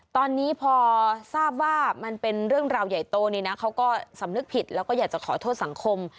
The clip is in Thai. ตอนนี้พอทราบว่ามันเป็นเรื่องราวใหญ่โตนี่นะเขาก็สำนึกผิดแล้วก็อยากจะขอโทษสังคม